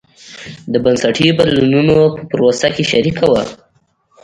د بنسټي بدلونونو په پروسه کې شریکه وه.